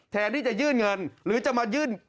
แทนที่จะยื่นเงินหรือจะมายื่น